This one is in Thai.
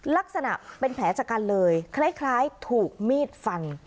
ลักษณะเป็นแผลชะกันเลยคล้ายถูกมีดฟัน